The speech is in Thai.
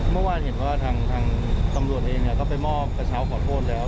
เมื่อวานเห็นว่าทางตำรวจเองก็ไปมอบกระเช้าขอโทษแล้ว